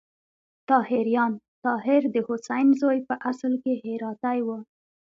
طاهریان: طاهر د حسین زوی په اصل کې هراتی و.